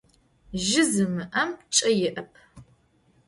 Zjı zimı'em ç'e yi'ep.